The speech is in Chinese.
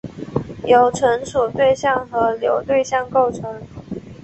由存储对象和流对象构成。